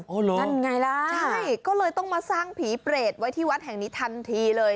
นั่นไงล่ะใช่ก็เลยต้องมาสร้างผีเปรตไว้ที่วัดแห่งนี้ทันทีเลย